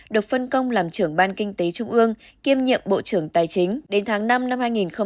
được phân công làm trưởng ban kinh tế trung ương kiêm nhiệm bộ trưởng tài chính đến tháng năm năm hai nghìn một mươi chín